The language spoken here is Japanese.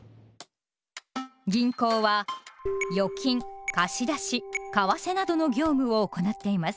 銀行は「預金」「貸出」「為替」などの業務を行っています。